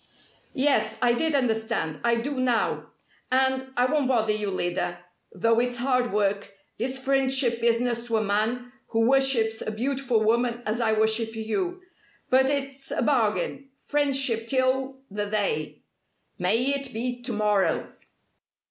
"Yes, I did understand. I do now. And I won't bother you, Lyda though it's hard work, this friendship business to a man who worships a beautiful woman as I worship you. But it's a bargain: friendship till the day. May it be to morrow!"